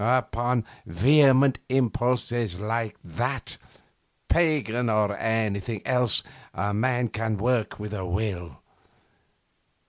Upon vehement impulses like that, pagan or anything else, a man can work with a will.